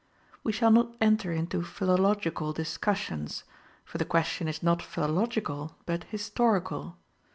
We shall not enter into philological discussions; for the question is not philological but historical.